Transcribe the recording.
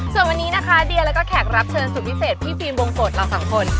ส่วนวันนี้นะคะเดียแล้วก็แขกรับเชิญสุดพิเศษพี่ฟิล์มวงโปรดเราสองคน